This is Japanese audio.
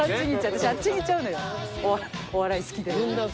私あっちにいっちゃうのよお笑い好きで。